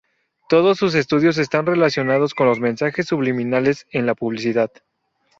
Todos sus estudios están relacionados con los mensajes subliminales en la publicidad.